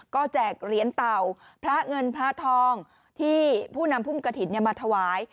ก็แจกเหรียญเต่าพระเงินพระทองที่ผู้นำพุ่มกระถิ่นมาถวาย